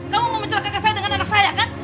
kamu mau menculakan saya dengan anak saya kan